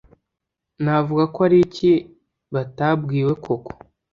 Navuga ko ari iki batabwiwe koko